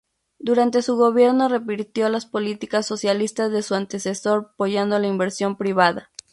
Durante su gobierno revirtió las políticas socialistas de su antecesor, apoyando la inversión privada.